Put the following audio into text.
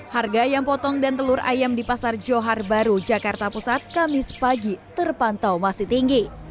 harga ayam potong dan telur ayam di pasar johar baru jakarta pusat kamis pagi terpantau masih tinggi